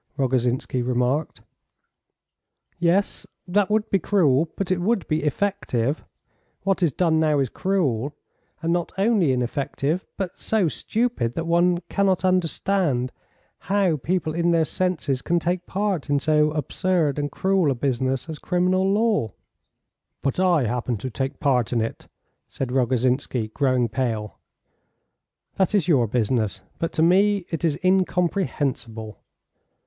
Rogozhinsky remarked. "Yes; that would be cruel, but it would be effective. What is done now is cruel, and not only ineffective, but so stupid that one cannot understand how people in their senses can take part in so absurd and cruel a business as criminal law." "But I happen to take part in it," said Rogozhinsky, growing pale. "That is your business. But to me it is incomprehensible."